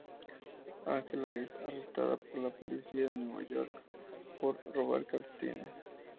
Angela es arrestada por la policía de nueva York por robar calcetines.